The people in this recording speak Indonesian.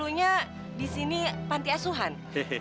bukannya dulu di sini panti asuhan